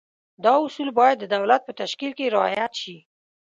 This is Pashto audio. دا اصول باید د دولت په تشکیل کې رعایت شي.